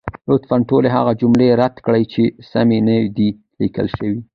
لطفا ټولې هغه جملې رد کړئ، چې سمې نه دي لیکل شوې.